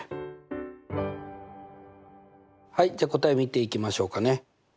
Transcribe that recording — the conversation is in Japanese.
はいじゃ答え見ていきましょうかね。